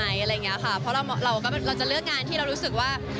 อะไรอย่างเงี้ยค่ะเพราะเราเราก็เราจะเลือกงานที่เรารู้สึกว่า